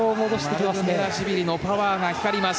マルクベラシュビリのパワーが光ります。